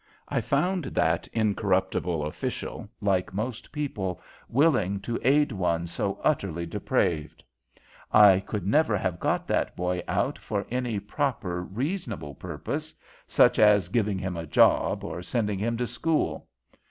I found that incorruptible official, like most people, willing to aid one so utterly depraved. I could never have got that boy out for any proper, reasonable purpose, such as giving him a job or sending him to school.